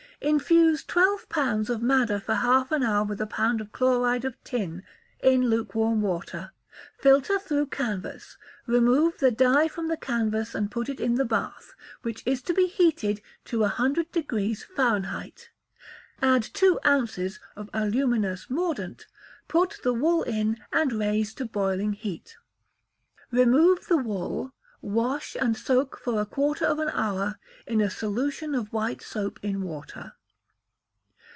Infuse twelve pounds of madder for half an hour with a pound of chloride of tin, in lukewarm water; filter through canvas, remove the dye from the canvas, and put it in the bath, which is to be heated to 100° Fahr.; add two ounces of aluminous mordant, put the wool in, and raise to boiling heat. Remove the wool, wash, and soak for a quarter of an hour in a solution of white soap in water.